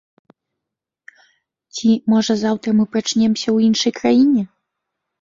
Ці, можа, заўтра мы прачнемся ў іншай краіне?